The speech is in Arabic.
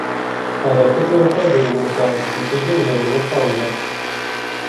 هذا القط يحتاج للمساعدة كي ينزل من الطاولة.